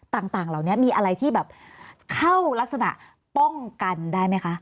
ต่างเหล่านี้มีอะไรที่แบบเข้ารักษณะป้องกันได้ไหมคะ